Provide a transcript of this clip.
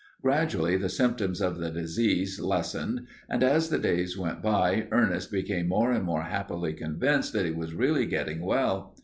Gradually the symptoms of the disease lessened and as the days went by Ernest became more and more happily convinced that he was really getting well.